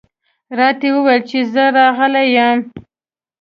راته یې وویل چې زه راغلی یم.